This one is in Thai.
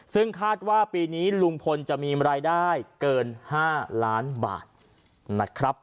ซึ่งคาดว่าปีนี้ลุงพลจะมีรายได้เกิน๕ล้านบาทนะครับ